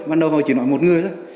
ban đầu họ chỉ nói một người thôi